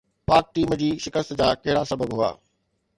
پاڪ ٽيم جي شڪست جا ڪهڙا سبب هئا؟